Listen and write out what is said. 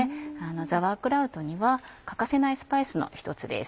ザワークラウトには欠かせないスパイスの１つです。